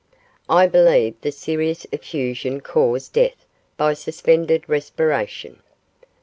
I believe the serous effusion caused death by suspended respiration.